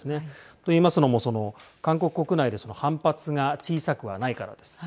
と言いますのも韓国国内で反発が小さくはないからです。